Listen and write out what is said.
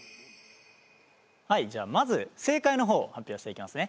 はいじゃあまず正解の方発表していきますね。